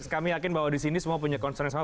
kami yakin bahwa disini semua punya concern yang sama